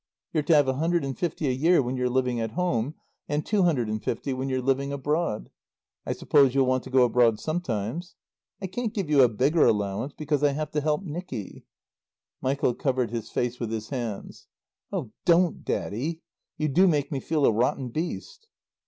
You're to have a hundred and fifty a year when you're living at home and two hundred and fifty when you're living abroad. I suppose you'll want to go abroad sometimes. I can't give you a bigger allowance, because I have to help Nicky " Michael covered his face with his hands. "Oh don't, Daddy. You do make me feel a rotten beast."